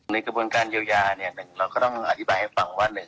ในกระบวนการเย้ยาเราก็ต้องอธิบายให้ฟังว่า